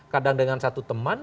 kadang dengan satu teman